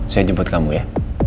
saya jemput kamu ya